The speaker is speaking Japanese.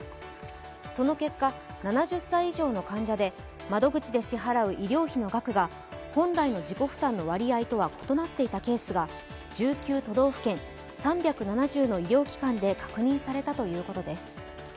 その結果、７０歳以上の患者で窓口で支払う医療費の額が本来の自己負担の割合とは異なっていたケースが１９都道府県、３７０の医療機関で確認されたということです。